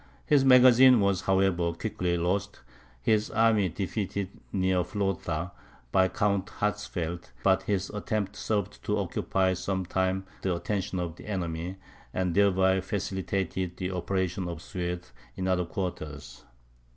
His magazine was, however, quickly lost; his army defeated near Flotha, by Count Hatzfeld; but his attempt served to occupy for some time the attention of the enemy, and thereby facilitated the operations of the Swedes in other quarters.